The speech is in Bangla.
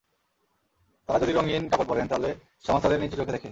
তাঁরা যদি রঙিন কাপড় পরেন তাহলে সমাজ তাঁদের নিচু চোখে দেখে।